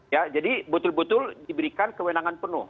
ya jadi betul betul diberikan kewenangan penuh